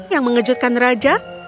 yang mengejutkan raja